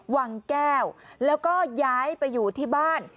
วังแก้วแล้วก็ย้ายไปอยู่ที่บ้าน